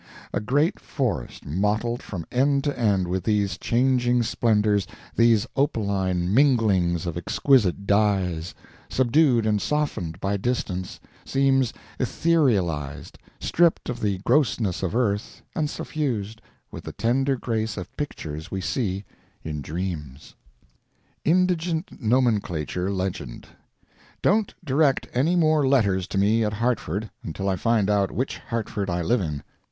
A great forest mottled from end to end with these changing splendors, these opaline minglings of exquisite dyes, subdued and softened by distance, seems etherealized, stripped of the grossness of earth and suffused with the tender grace of pictures we see in dreams. Indigent Nomenclature Legend. Don't direct any more letters to me at Hartford until I find out which Hartford I live in.